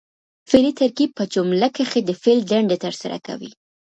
فعلي ترکیب په جمله کښي د فعل دنده ترسره کوي.